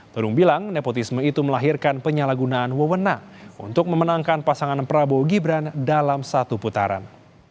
burung bilang nepotisme itu melahirkan penyalahgunaan wewenang untuk memenangkan pasangan prabowo gibran dalam satu putaran